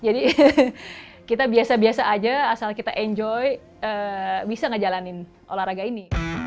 jadi kita biasa biasa aja asal kita enjoy bisa ngejalanin olahraga ini